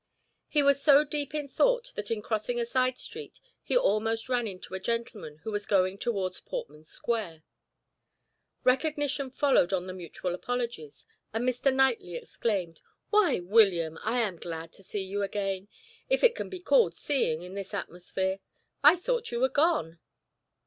He was so deep in thought that in crossing a side street he almost ran into a gentleman who was going towards Portman Square. Recognition followed on the mutual apologies, and Mr. Knightley exclaimed: "Why, William! I am glad to see you again if it can be called seeing in this atmosphere; I thought you were gone."